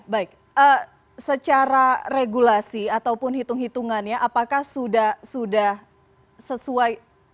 baik secara regulasi ataupun hitung hitungannya apakah sudah sesuai